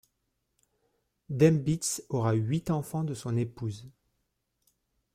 Dembitz aura eu huit enfants de son épouse.